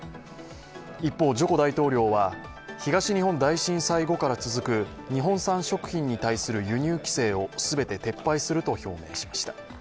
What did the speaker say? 一方、ジョコ大統領は東日本大震災後から続く日本産食品に対する輸入規制を全て撤廃すると表明しています。